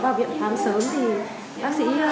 vào viện phám sớm thì bác sĩ